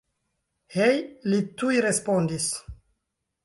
Hej, li tuj respondas.